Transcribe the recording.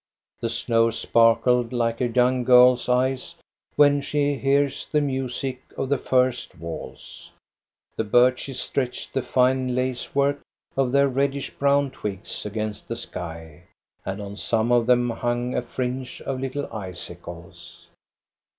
The snow sparkled like a young girl's eyes when she hears the music of the first waltz. The birches stretched the fine lace work of their reddish brown twigs against the sky, and on some of them hung a fringe of little icicles.